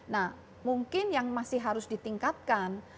nah mungkin yang masih harus ditingkatkan